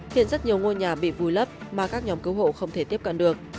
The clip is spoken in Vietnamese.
khiến rất nhiều ngôi nhà bị vùi lấp mà các nhóm cứu hộ không thể tiếp cận được